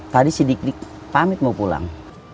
tadi si dik dik pamit mau pulang